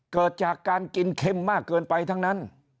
เกิดจากการกินเค็มมากเกินไปทั้งนั้น